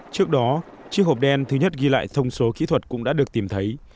trước đó chiếc hộp đen thứ nhất ghi lại thông số kỹ thuật cũng đã được tìm thấy